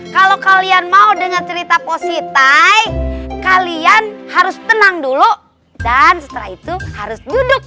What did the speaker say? kalau kalian mau dengan cerita positif kalian harus tenang dulu dan setelah itu harus duduk